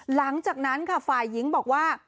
หลังจากนั้นค่ะฝ่ายหญิงบอกว่า